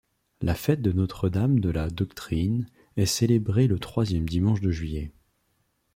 La fête de Notre-Dame-de-la-Doctrine est célébrée le troisième dimanche de juillet.